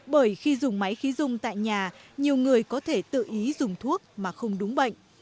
bởi khi dùng máy khí dung tại nhà nhiều người có thể tự ý dùng thuốc mà không đúng bệnh